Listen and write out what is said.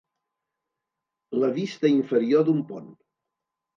La vista inferior d'un pont.